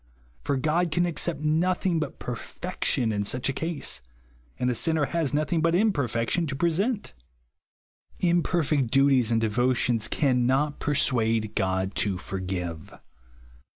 For God can accept nothing but pcrfeciion in such a case, and the sinner ho.s nothing but imperfection to present. 20 man's own chauacter Imperfect duties and devotions cannot per suade God to forgive.